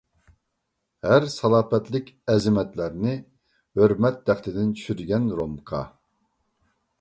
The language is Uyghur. ھەر سالاپەتلىك ئەزىمەتلەرنى ھۆرمەت تەختىدىن چۈشۈرگەن رومكا!